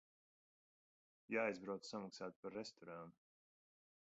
Jāaizbrauc samaksāt par restorānu.